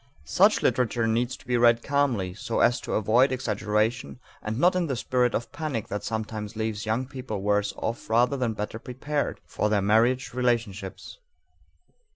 Such literature needs to be read calmly so as to avoid exaggeration and not in the spirit of panic that sometimes leaves young people worse off rather than better prepared for their marriage relationships.